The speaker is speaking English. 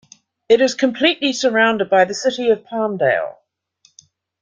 It is completely surrounded by the City of Palmdale.